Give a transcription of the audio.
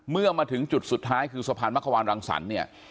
เมื่อมาถึงจุดสุดท้ายคือสะพานมะควานรังสรรค์เนี่ย